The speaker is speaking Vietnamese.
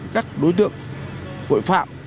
các đối tượng hội phạm